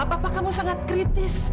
papah kamu sangat kritis